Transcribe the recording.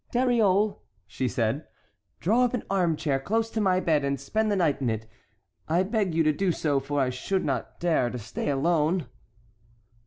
"Dariole," said she, "draw up an armchair close to my bed and spend the night in it. I beg you to do so, for I should not dare to stay alone."